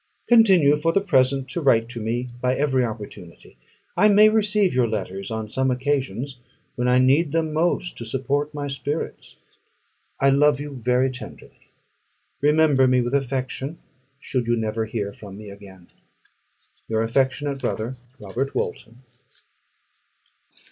Continue for the present to write to me by every opportunity: I may receive your letters on some occasions when I need them most to support my spirits. I love you very tenderly. Remember me with affection, should you never hear from me again. Your affectionate brother, ROBERT WALTON.